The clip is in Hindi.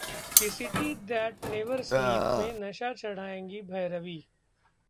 'the city that never sleep' में नशा चढ़ाएंगी भैरवी